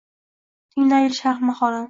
Tinglagil shayx maqolin.